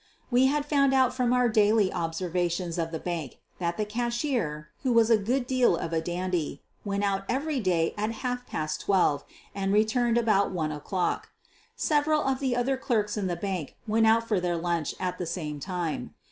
We had found out from our daily observations of the bank that the cashier, who was a good deal of a dandy, went out every day at half past twelve and returned about 1 o 'clock. Several of the other clerks in the bank went out for their lunch at the same time.